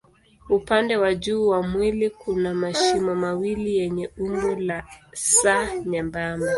Upande wa juu wa mwili kuna mashimo mawili yenye umbo la S nyembamba.